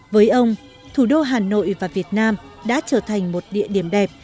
với ông thủ đô hà nội và việt nam đã trở thành một địa điểm đẹp